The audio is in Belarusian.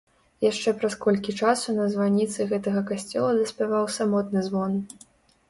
Яшчэ праз колькі часу на званіцы гэтага касцёла даспяваў самотны звон.